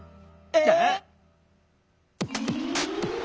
えっ？